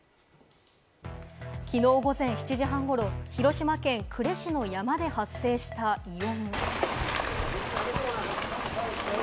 昨日午前７時半頃、広島県呉市の山で発生した異音。